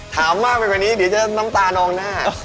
ถามมากไปกว่านี้เดี๋ยวจะน้ำตานองหน้า